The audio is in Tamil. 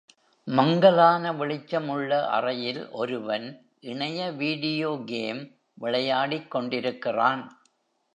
மங்கலான வெளிச்சம் உள்ள அறையில் ஒருவன் இணைய video game விளையாடிக் கொண்டிருக்கிறான்.